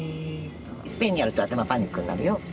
いっぺんにやると頭パニックになるよ。